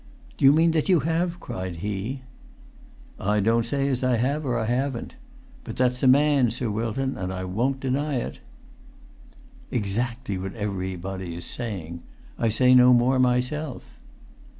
"Do you mean that you have?" cried he. "I don't say as I have or I haven't. But that's a man, Sir Wilton, and I won't deny it." "Exactly what everybody is saying. I say no more myself."